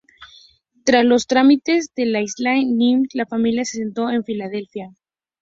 Tras los trámites en la Isla Ellis, la familia se asentó en Filadelfia.